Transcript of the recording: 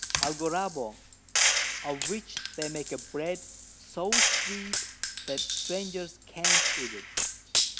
Algaroba, of which they make a Bread so sweet, that Strangers can't eat it.